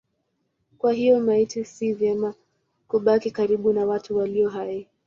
Kwa hiyo maiti si vema kubaki karibu na watu walio hai.